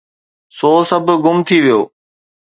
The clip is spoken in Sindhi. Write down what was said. سو سڀ گم ٿي ويو.